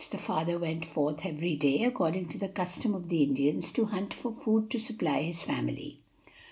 The father went forth every day, according to the custom of the Indians, to hunt for food to supply his family.